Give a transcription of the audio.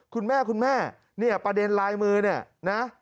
คุณแม่คุณแม่เนี่ยประเด็นลายมือเนี่ยนะ